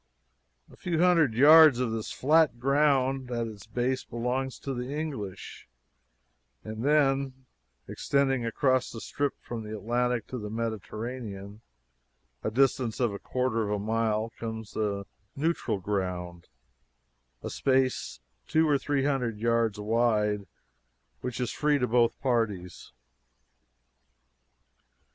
A few hundred yards of this flat ground at its base belongs to the English, and then, extending across the strip from the Atlantic to the Mediterranean, a distance of a quarter of a mile, comes the "Neutral Ground," a space two or three hundred yards wide, which is free to both parties.